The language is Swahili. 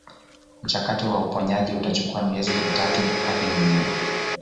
Mchakato wa uponyaji utachukua miezi mitatu hadi minne